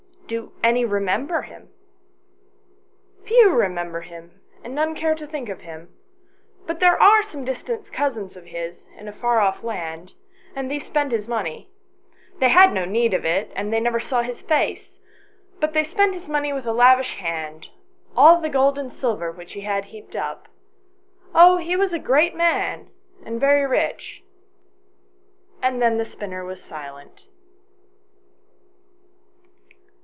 "Do any remember him ?"" Few remember him, and none care to think of him ; but there are some distant cousins of his in a far off land, and these spend his money : they had no need of it, and they never saw his face, but they XIL] IN THE PORCH. 133 spend his money with a lavish hand all the gold and silver which he had heaped up. Oh, he was a great man, and very rich." And then the spinner was silent."